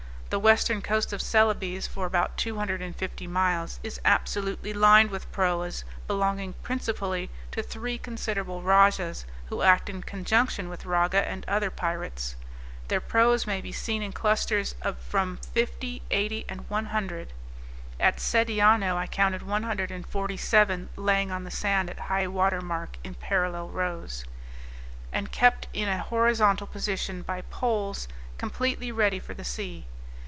The western coast of Celebes, for about 250 miles, is absolutely lined with proas belonging principally to three considerable rajahs, who act in conjunction with Raga and other pirates. Their proas may be seen in clusters of from 50, 80, and 100 (at Sediano I counted 147 laying on the sand at high water mark in parallel rows,) and kept in a horizontal position by poles, completely ready for the sea.